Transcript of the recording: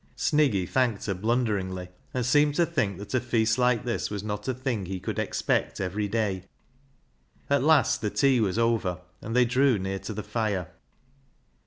Sniggy thanked her blunderingly, and seemed to think that a feast like this was not a thing he could expect every day. At last the tea was over, and they drew near to the fire.